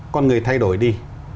con người thay đổi đi